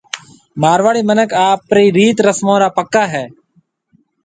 مارواڙي مِنک آپرَي ريِت رسمون را پڪا ھيَََ